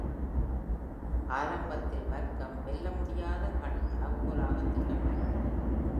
ஆரம்பத்தில் வர்க்கம் "வெல்லமுடியாத" கள் அளவுகோலாக திட்டமிடப்பட்டது.